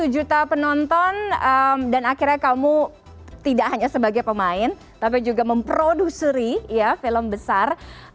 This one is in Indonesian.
satu juta penonton dan akhirnya kamu tidak hanya sebagai pemain tapi juga memproduseri ya film besar